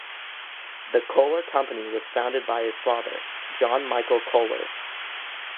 The Kohler Company was founded by his father, John Michael Kohler.